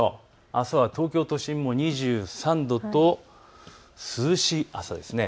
あすは東京都心も２３度と涼しい朝です。